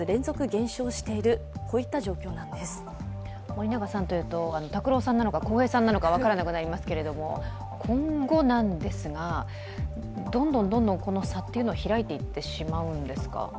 森永さんというと、卓郎さんなのか、康平さんなのか分からなくなりますが、今後、どんどん差っていうのは開いていってしまうんですか？